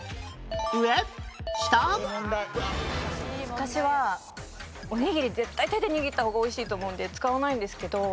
私はおにぎり絶対手で握った方が美味しいと思うので使わないんですけど。